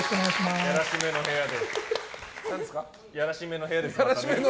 やらしめの部屋ですね。